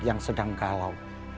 yang sedang galau